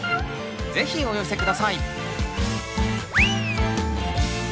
ぜひお寄せ下さい。